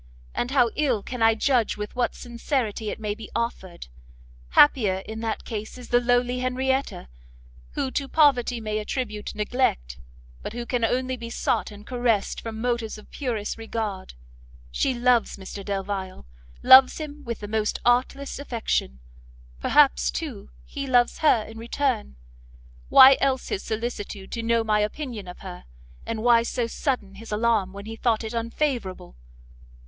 and how ill can I judge with what sincerity it may be offered! happier in that case is the lowly Henrietta, who to poverty may attribute neglect, but who can only be sought and caressed from motives of purest regard. She loves Mr Delvile, loves him with the most artless affection; perhaps, too, he loves her in return, why else his solicitude to know my opinion of her, and why so sudden his alarm when he thought it unfavourable?